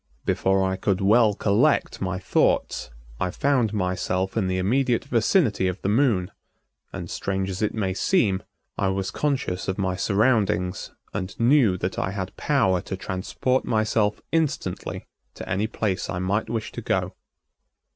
Before I could well collect my thoughts I found myself in the immediate vicinity of the Moon and, strange as it may seem, I was conscious of my surroundings and knew that I had power to transport myself instantly to any place I might wish to go.